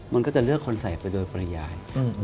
มันก็จะเลือกคนใส่ไปโดยปริยาย